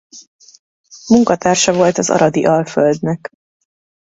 Munkatársa volt az aradi Alföldnek.